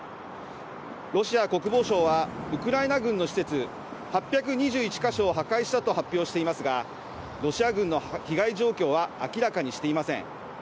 ロシア国防省はウクライナ軍の施設８２１か所を破壊したと発表していますが、ロシア軍の被害状況は明らかにしていません。